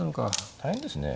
大変ですね。